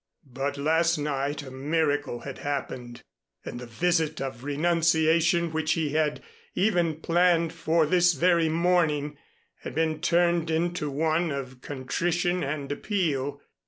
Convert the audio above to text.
But last night a miracle had happened and the visit of renunciation which he had even planned for this very morning had been turned into one of contrition and appeal.